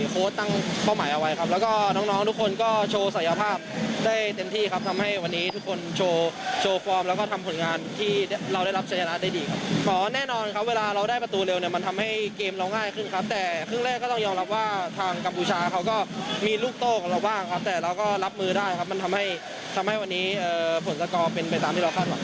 ก็รับมือได้ครับมันทำให้วันนี้ฝนสะกอเป็นไปตามที่เราคาดหวังครับ